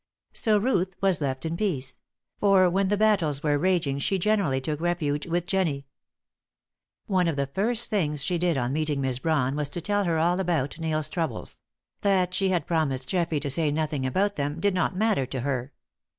So Ruth was left in peace; for when the battles were raging, she generally took refuge with Jennie. One of the first things she did on meeting Miss Brawn was to tell her all about Neil's troubles; that she had promised Geoffrey to say nothing about them did not matter to her.